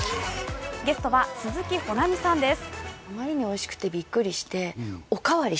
ゲストは鈴木保奈美さんです。